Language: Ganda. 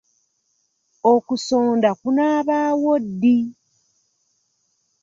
Okusonda kunaabaawo ddi?